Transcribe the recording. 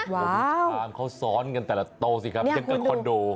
ว้าวชามเขาซ้อนกันแต่ละโต๊ะสิครับเพียงกับคนดู